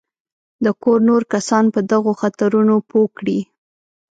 د کور نور کسان په دغو خطرونو پوه کړي.